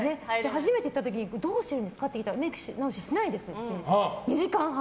初めて行った時にどうしているんですか？って聞いたらメイク直ししないですって２時間半。